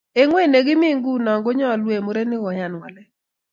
eng ng'weny nekimii nguni ko nyoolu eng murenik koyan walet